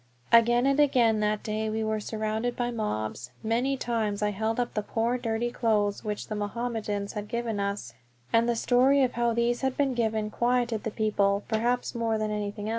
Again and again that day we were surrounded by mobs. Many times I held up the poor, dirty clothes which the Mohammedans had given us, and the story of how these had been given quieted the people perhaps more than anything.